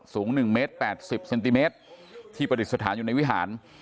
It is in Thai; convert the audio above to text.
สูง๑เมตร๘๐เซนติเมตรที่ประดิษฐานอยู่ในวิหาร